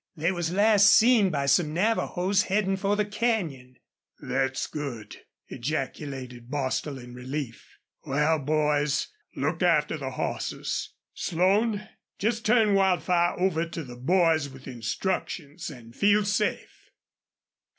They was last seen by some Navajos headin' for the canyon." "Thet's good!" ejaculated Bostil, in relief. "Wal boys, look after the hosses. ... Slone, just turn Wildfire over to the boys with instructions, an' feel safe."